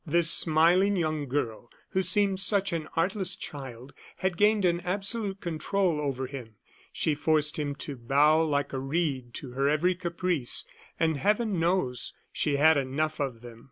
This smiling young girl, who seemed such an artless child, had gained an absolute control over him. She forced him to bow like a reed to her every caprice and Heaven knows she had enough of them!